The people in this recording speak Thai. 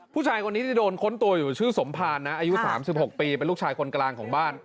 ผู้ชายคนนี้ที่โดนค้นตัวอยู่ชื่อสมภารนะอายุ๓๖ปีเป็นลูกชายคนกลางของบ้าน